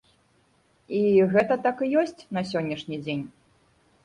І гэта так і ёсць на сённяшні дзень.